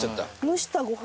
蒸したご飯。